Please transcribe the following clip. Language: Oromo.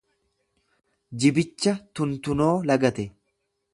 Jibicha tuntunoo galate.